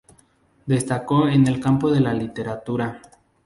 Destacó en el campo de la literatura.